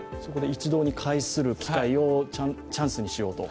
一堂に会する機会をチャンスにしようと。